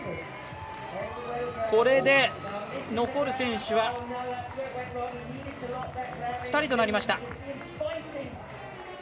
これで、残る選手は２人となりました。